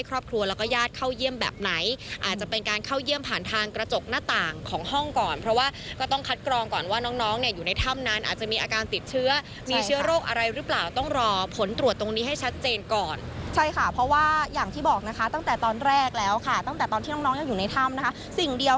ครอบครัวแล้วก็ญาติเข้าเยี่ยมแบบไหนอาจจะเป็นการเข้าเยี่ยมผ่านทางกระจกหน้าต่างของห้องก่อนเพราะว่าก็ต้องคัดกรองก่อนว่าน้องน้องเนี่ยอยู่ในถ้ำนั้นอาจจะมีอาการติดเชื้อมีเชื้อโรคอะไรหรือเปล่าต้องรอผลตรวจตรงนี้ให้ชัดเจนก่อนใช่ค่ะเพราะว่าอย่างที่บอกนะคะตั้งแต่ตอนแรกแล้วค่ะตั้งแต่ตอนที่น้องน้องยังอยู่ในถ้ำนะคะสิ่งเดียว